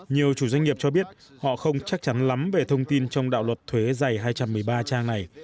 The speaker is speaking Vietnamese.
nhiều chủ doanh nghiệp cho biết họ không chắc chắn lắm về thông tin trong đạo luật thuế dày hai trăm linh tỷ usd